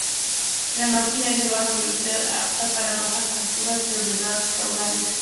La máquina es de baja velocidad, apta para bajas alturas pero elevados caudales.